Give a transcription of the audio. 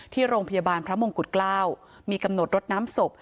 ที่โรงพยาบาลพระมงกุฎเกล้ามีกำหนดรดน้ำศพ